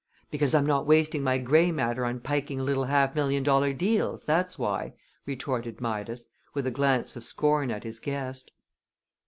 "Because I'm not wasting my gray matter on piking little half million dollar deals, that's why," retorted Midas, with a glance of scorn at his guest.